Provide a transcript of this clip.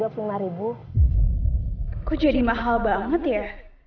kok jadi mahal banget ya